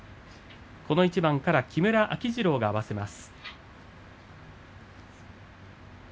この一番から木村秋治郎が合わせます。